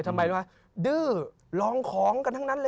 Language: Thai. พระพุทธพิบูรณ์ท่านาภิรม